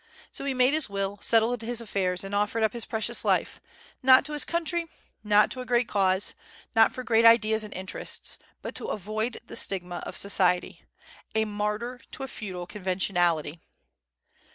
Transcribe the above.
So he made his will, settled his affairs, and offered up his precious life; not to his country, not to a great cause, not for great ideas and interests, but to avoid the stigma of society, a martyr to a feudal conventionality.